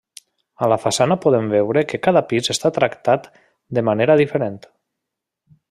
A la façana podem veure que cada pis està tractat de manera diferent.